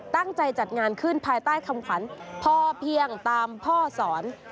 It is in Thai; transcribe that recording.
จัดงานขึ้นภายใต้คำขวัญพ่อเพียงตามพ่อสอน